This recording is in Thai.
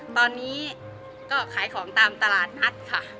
ตอนนี้ก็ขายของตามตลาดนัดค่ะ